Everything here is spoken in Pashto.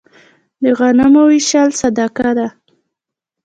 د غنمو ویشل صدقه ده.